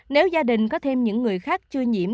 nếu gia đình có thêm những người khác chưa nhiễm